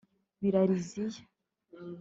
Bilariziya